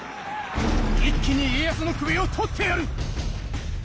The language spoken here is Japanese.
一気に家康の首を取ってやる！